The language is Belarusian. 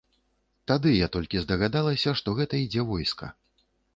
Тады я толькі здагадалася, што гэта ідзе войска.